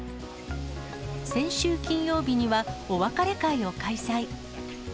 先週金曜日には、お別れ会を開催。